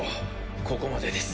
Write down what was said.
ここまでです。